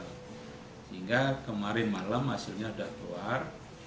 sehingga kemarin malam hasilnya sudah keluar